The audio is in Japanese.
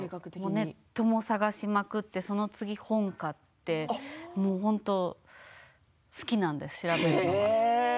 ネットも探しまくってその次は本を買って好きなんです、調べるのが。